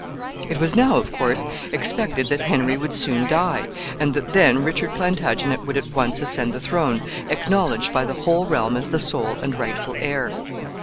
It was now, of course, expected that Henry would soon die, and that then Richard Plantagenet would at once ascend the throne, acknowledged by the whole realm as the sole and rightful heir.